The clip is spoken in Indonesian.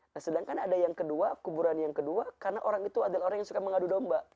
nah sedangkan ada yang kedua kuburan yang kedua karena orang itu adalah orang yang suka mengadu domba